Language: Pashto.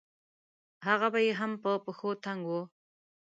هغه به يې هم په پښو تنګ وو.